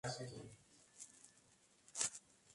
Si la implementación es difícil de explicar, es una mala idea.